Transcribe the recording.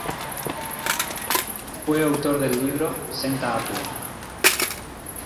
Fue el autor del libro "Senta a Pua!